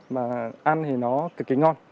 mà ăn thì nó cực kỳ ngon